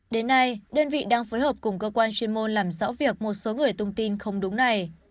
đến nay đơn vị đang phối hợp cùng cơ quan chuyên môn làm rõ việc một số người tung tin không đúng này